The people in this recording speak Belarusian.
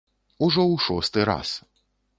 Ужо ў шосты раз.